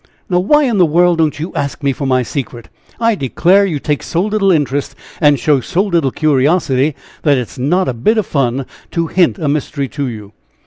"Now, why in the world don't you ask me for my secret? I declare you take so little interest, and show so little curiosity, that it is not a bit of fun to hint a mystery to you.